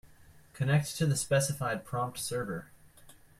Connect to the specified prompt server.